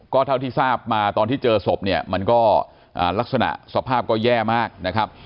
ก็เท่าที่ทราบมาตอนที่เจอศพเนี่ยมันก็ลักษณะสภาพก็แย่มากนะครับ